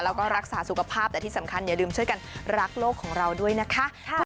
แล้วก็รักษาสุขภาพแต่ที่สำคัญอย่าลืมช่วยกันรักโลกของเราด้วยนะคะ